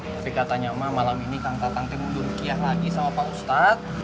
tapi katanya mah malam ini kang dateng teh mundur kia lagi sama pak ustadz